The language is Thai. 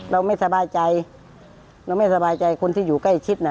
เราไม่สบายใจเราไม่สบายใจคนที่อยู่ใกล้ชิดน่ะ